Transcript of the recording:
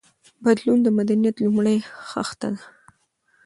بدلون د مدنيت لومړۍ خښته ده.